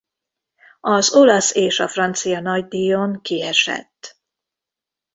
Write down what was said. Az olasz és a francia nagydíjon kiesett.